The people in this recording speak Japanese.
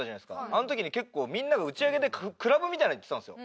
あの時に結構みんなが打ち上げでクラブみたいのに行ってたんですよ。